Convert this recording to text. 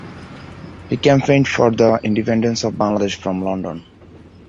He campaigned for the independence of Bangladesh from London.